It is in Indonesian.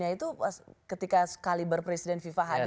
di jina itu ketika sekaliber presiden fifa hadir